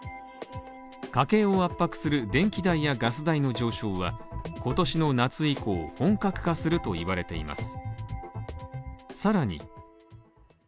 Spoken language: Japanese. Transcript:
家計を圧迫する電気代やガス代の上昇は今年の夏以降、本格化するといわれています。